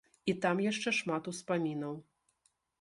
І там яшчэ шмат успамінаў.